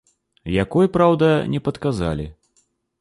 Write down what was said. Якой, праўда, не падказалі.